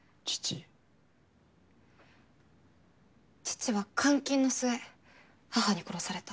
父は監禁の末母に殺された。